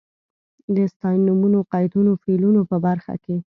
د ستاینومونو، قیدونو، فعلونو په برخه کې.